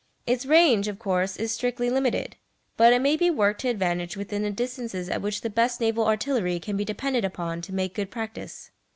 Its range, of course, is strictly limited; but it may be worked to advantage within the distances at which the best naval artillery can be depended upon to make good practice.